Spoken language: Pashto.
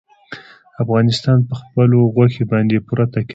افغانستان په خپلو غوښې باندې پوره تکیه لري.